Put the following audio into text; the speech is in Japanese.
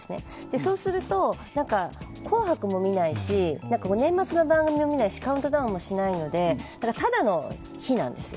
そうすると紅白も見ないし、年末の番組も見ないし、カウトンダウンもしないのでただの日なんですよ。